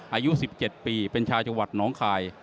อายุ๑๗ปีเป็นชาวจังหวัดน้องคาย